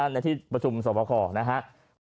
ในที่ประชุมสวบคอนะฮะ